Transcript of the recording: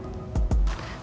sama untuk putri